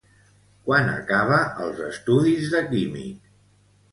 Quan acaba els estudis de químic?